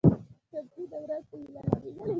ټپي د مرستې هیله لري.